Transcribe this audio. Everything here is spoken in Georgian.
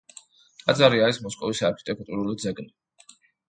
ტაძარი არის მოსკოვის არქიტექტურული ძეგლი.